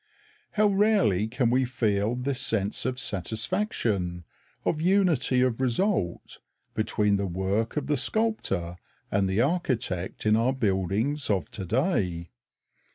How rarely can we feel this sense of satisfaction, of unity of result, between the work of the sculptor and the architect in our buildings of to day.